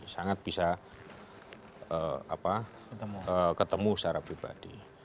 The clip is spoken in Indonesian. sangat bisa ketemu secara pribadi